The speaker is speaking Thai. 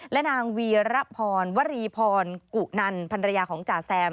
และนางวีระพรวรีพรกุนันพันรยาของจ่าแซม